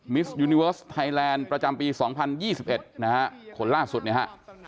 มิสยูนิเวิร์สไทยแลนด์ประจำปี๒๐๒๑นะครับคนล่าสุดนะฮะ